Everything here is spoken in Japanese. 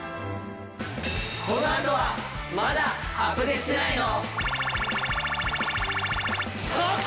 このあとは『まだアプデしてないの？』。